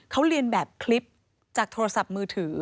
เขาเรียนแบบคลิปจากโทรศัพท์มือถือ